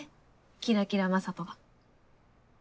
キラキラ雅人が。